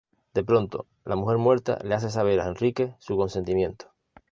De pronto la mujer muerta le hace saber a Enrique su consentimiento.